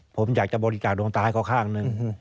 ผมอยากจะบริจาคดวงตาให้เขาข้างหนึ่ง